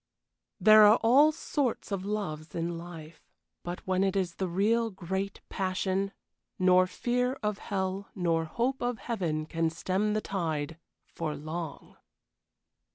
There are all sorts of loves in life, but when it is the real great passion, nor fear of hell nor hope of heaven can stem the tide for long!